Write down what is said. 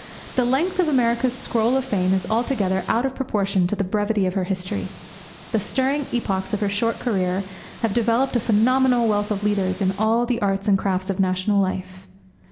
The length of America's scroll of fame is altogether out of proportion to the brevity of her history. The stirring epochs of her short career have developed a phenomenal wealth of leaders in all the arts and crafts of national life.